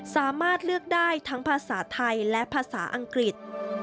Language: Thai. สามารถเลือกได้ทั้งภาษาไทยและภาษาอังกฤษ